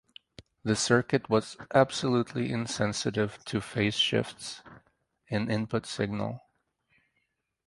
The circuit was absolutely insensitive to phase shifts in input signal.